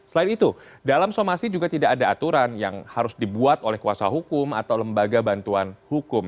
selain itu dalam somasi juga tidak ada aturan yang harus dibuat oleh kuasa hukum atau lembaga bantuan hukum